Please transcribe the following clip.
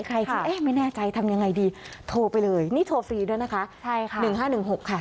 ใครจะแไงไม่แน่ใจทำยังไงดีโทรไปเลยนี่โทรฟรีด้วยนะคะ